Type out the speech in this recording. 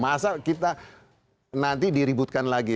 masa kita nanti diributkan lagi